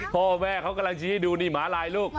พ่อแม่เขากำลังชี้ให้ดูนี่หมาลายลูก